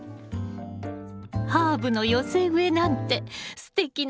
ハーブの寄せ植えなんてすてきな記念になりそう！